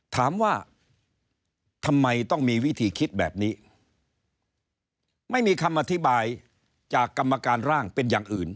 ถามว่าทำไมต้องมีวิธีคิดแบบนี้ไม่มีคำอธิบายจากกรรมการร่างเป็นอย่างอื่น